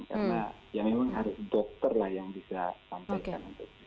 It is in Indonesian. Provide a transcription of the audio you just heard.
karena memang harus dokter yang bisa sampaikan